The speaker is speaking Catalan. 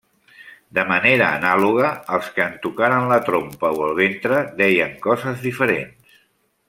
De manera anàloga, els que en tocaren la trompa o el ventre deien coses diferents.